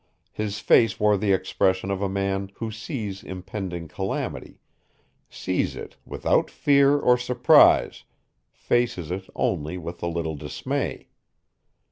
His face wore the expression of a man who sees impending calamity, sees it without fear or surprise, faces it only with a little dismay.